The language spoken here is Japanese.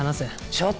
ちょっと！